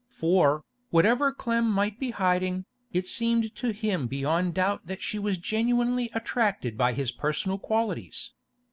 For, whatever Clem might be hiding, it seemed to him beyond doubt that she was genuinely attracted by his personal qualities.